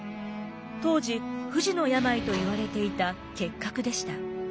当時不治の病といわれていた結核でした。